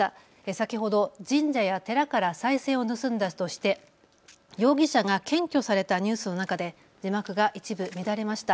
先ほど神社や寺からさい銭を盗んだとして容疑者が検挙されたニュースの中で字幕が一部乱れました。